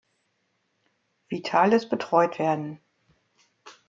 Vitalis betreut werden.